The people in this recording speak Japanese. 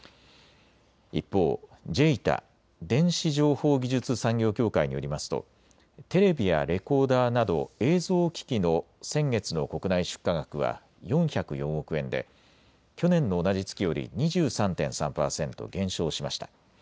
一方、ＪＥＩＴＡ・電子情報技術産業協会によりますとテレビやレコーダーなど映像機器の先月の国内出荷額は４０４億円で去年の同じ月より２３．３％減少しました。